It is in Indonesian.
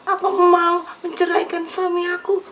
aku mau menceraikan suami aku